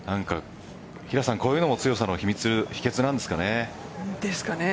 こういうのも強さの秘訣なんですかね。